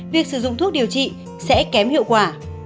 việc sử dụng thuốc điều trị sẽ kém hiệu quả